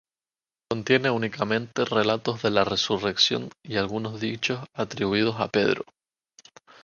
Contiene únicamente relatos de la resurrección y algunos dichos atribuidos a Pedro.